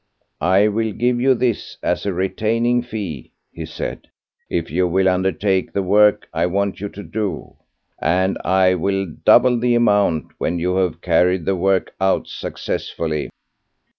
"I will give you this as a retaining fee," he said, "if you will undertake the work I want you to do; and I will double the amount when you have carried the work out successfully."